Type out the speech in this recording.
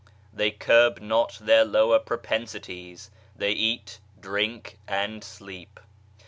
They curb not their lower propensities ; they eat, drink, and sleep